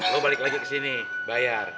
lo balik lagi kesini bayar